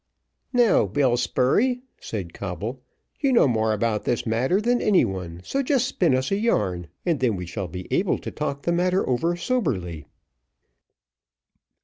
"Now, Bill Spurey," said Coble, "you know more about this matter than any one, so just spin us the yarn, and then we shall be able to talk the matter over soberly."